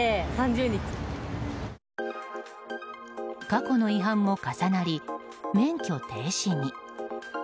過去の違反も重なり免許停止に。